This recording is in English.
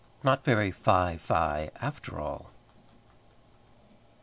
NOT VERY FIE FIE AFTER ALL.